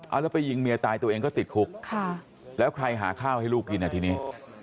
เอาแล้วไปยิงเมียตายตัวเองก็ติดคุกค่ะแล้วใครหาข้าวให้ลูกกินอ่ะทีนี้